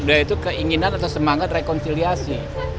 yaitu keinginan atau semangat rekonsiliasi